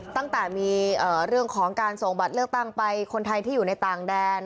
ตั้งแต่มีเรื่องของการส่งบัตรเลือกตั้งไปคนไทยที่อยู่ในต่างแดน